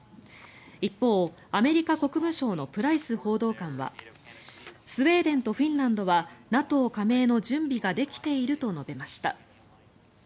一方、アメリカ国務省のプライス報道官はスウェーデンとフィンランドはＮＡＴＯ加盟の準備ができていると述べました。